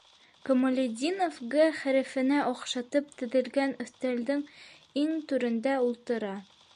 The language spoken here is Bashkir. Камалетдинов «Т» хәрефенә оҡшатып теҙелгән өҫтәлдең иң түрендә ултыра.